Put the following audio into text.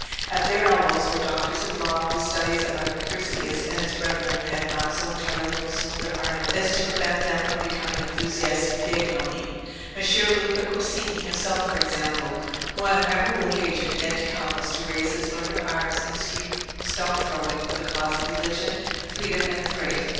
At their elbows were doctors of law whose studies of Accursius and his brethren had not so entirely consumed their ardour as to prevent them from becoming enthusiastic Piagnoni: Messer Luca Corsini himself, for example, who on a memorable occasion yet to come was to raise his learned arms in street stone throwing for the cause of religion, freedom, and the Frate.